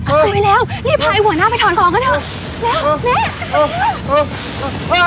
โอ้ยเร็วรีบพาไอ้หัวหน้าไปถอนของกันเถอะ